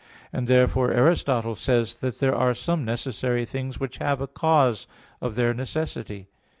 And therefore Aristotle says (Metaph. v, text 6), that there are some necessary things which have a cause of their necessity.